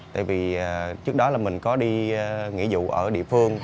tại vì trước đó là mình có đi nghỉ dụ ở địa phương